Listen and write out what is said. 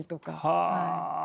はあ。